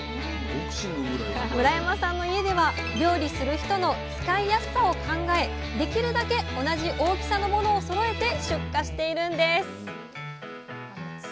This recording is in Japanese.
村山さんの家では料理する人の使いやすさを考えできるだけ同じ大きさのものをそろえて出荷しているんです